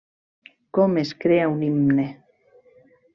Com es crea un himne.